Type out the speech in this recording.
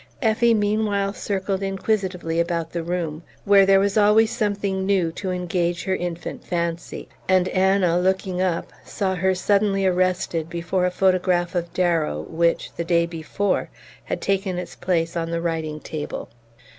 Effie meanwhile circled inquisitively about the room, where there was always something new to engage her infant fancy; and Anna, looking up, saw her suddenly arrested before a photograph of Darrow which, the day before, had taken its place on the writing table.